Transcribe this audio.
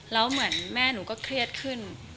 แล้วเหมือนแม่หนูก็เครียดขึ้น